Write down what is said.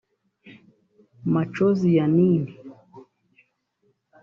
Macozi ya Nini